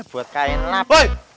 buat kain lap